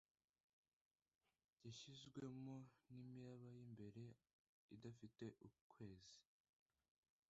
Yashizwemo nimiraba yimbere idafite ukwezi